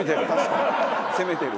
攻めてる。